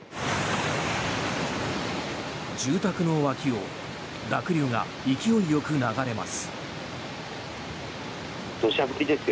住宅の脇を濁流が勢いよく流れます。